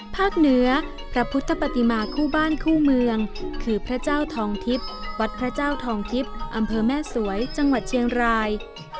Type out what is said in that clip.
เหนือพระพุทธปฏิมาคู่บ้านคู่เมืองคือพระเจ้าทองทิพย์วัดพระเจ้าทองทิพย์อำเภอแม่สวยจังหวัดเชียงราย